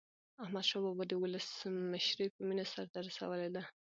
احمدشاه بابا د ولس مشري په مینه سرته رسولې ده.